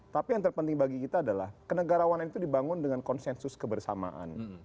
tapi yang terpenting bagi kita adalah kenegarawanan itu dibangun dengan konsensus kebersamaan